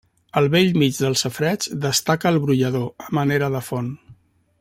Al bell mig del safareig destaca el brollador, a manera de font.